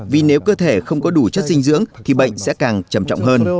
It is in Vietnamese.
vì nếu cơ thể không có đủ chất dinh dưỡng thì bệnh sẽ càng chậm chậm hơn